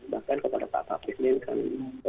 bahkan kepada pak pak fismin kami